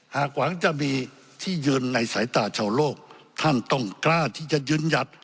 หากหวังจะมีที่ยืนในสายตาชาวโลกท่านต้องกล้าที่จะยืนหยัด